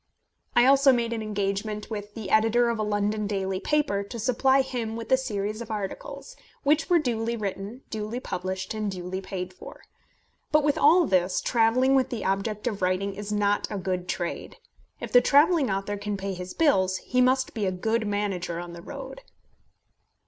I also made an engagement with the editor of a London daily paper to supply him with a series of articles, which were duly written, duly published, and duly paid for. But with all this, travelling with the object of writing is not a good trade. If the travelling author can pay his bills, he must be a good manager on the road.